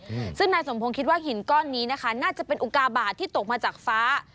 อืมซึ่งนายสมพงษ์คิดว่าหินก้อนนี้นะคะน่าจะเป็นอุกาบาทที่ตกมาจากฟ้า